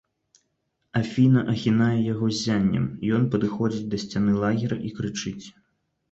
Афіна ахінае яго ззяннем, ён падыходзіць да сцяны лагера і крычыць.